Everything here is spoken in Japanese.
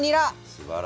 すばらしい。